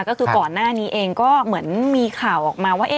ก็คือก่อนหน้านี้เองก็เหมือนมีข่าวออกมาว่า